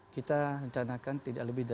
kita rencanakan tidak lebih dari